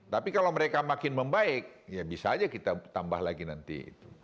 tapi kalau mereka makin membaik ya bisa aja kita tambah lagi nanti itu